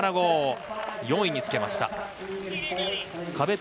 ４位につけました、張可欣。